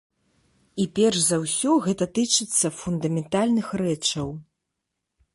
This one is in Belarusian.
І перш за ўсё гэта тычыцца фундаментальных рэчаў.